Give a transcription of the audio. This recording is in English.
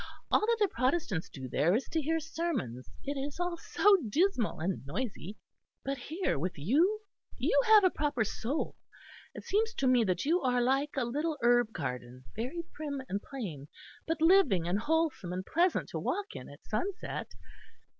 All that the Protestants do there is to hear sermons it is all so dismal and noisy. But here, with you, you have a proper soul. It seems to me that you are like a little herb garden, very prim and plain, but living and wholesome and pleasant to walk in at sunset.